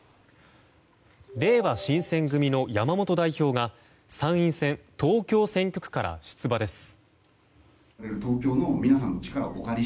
れいわ新撰組の山本代表が参院選東京選挙区から出馬です。